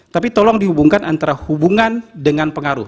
tapi tolong dihubungkan antara hubungan dengan pengaruh